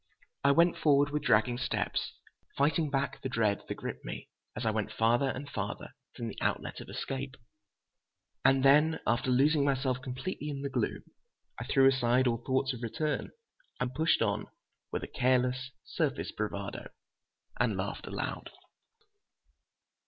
I went forward with dragging steps, fighting back the dread that gripped me as I went farther and farther from the outlet of escape. And then, after losing myself completely in the gloom, I threw aside all thoughts of return and pushed on with a careless, surface bravado, and laughed aloud.